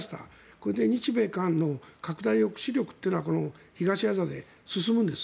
これで日米韓の拡大抑止力というのは東アジアで進むんです。